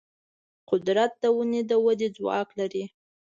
قدرت د ونو د ودې ځواک لري.